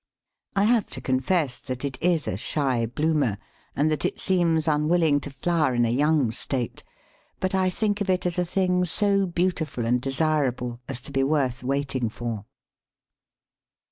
I have to confess that it is a shy bloomer, and that it seems unwilling to flower in a young state, but I think of it as a thing so beautiful and desirable as to be worth waiting for.